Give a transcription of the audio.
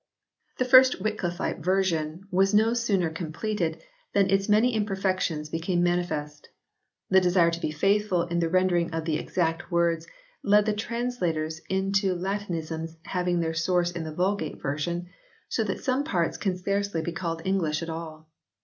The first Wycliffite version was no sooner com pleted than its many imperfections became manifest. The desire to be faithful in the rendering of the exact words led the translators into Latinisms having their source in the Vulgate version, so that some parts can scarcely be called English at all.